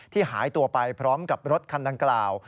หายตัวไปพร้อมกับรถคันดังกล่าว